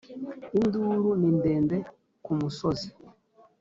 Induru ni ndende ku musozi